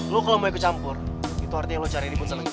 lu kalo mau ikut campur itu artinya lu cari diputus sama kita